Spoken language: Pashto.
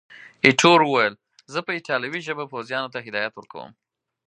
ایټور وویل، زه په ایټالوي ژبه پوځیانو ته هدایات ورکوم.